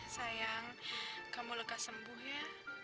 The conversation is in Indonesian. sayang kamu lekas sembuh ya